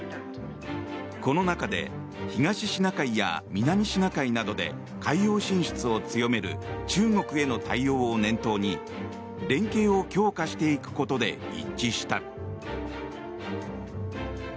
この中で東シナ海や南シナ海などで海洋進出を強める中国への対応を念頭に連携を強化していくことで一致した。